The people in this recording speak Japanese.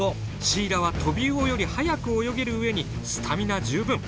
シイラはトビウオより速く泳げる上にスタミナ十分。